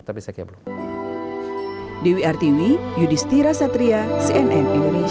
tapi saya kira belum